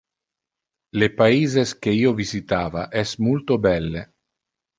Le paises que io visitava es multo belle.